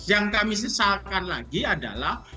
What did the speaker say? yang kami sesalkan lagi adalah